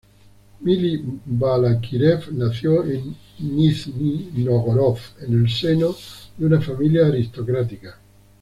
Mili Balákirev nació en Nizhni Nóvgorod, en el seno de una familia aristocrática.